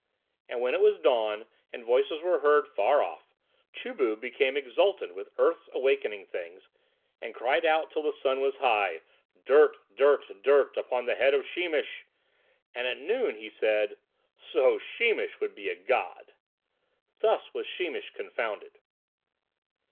And when it was dawn and voices were heard far off, Chu bu became exultant with Earth's awakening things, and cried out till the sun was high, "Dirt, dirt, dirt, upon the head of Sheemish," and at noon he said, "So Sheemish would be a god." Thus was Sheemish confounded.